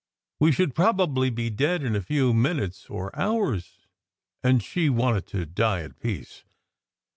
We should probably be dead in a few minutes or hours, and she wanted to die at peace.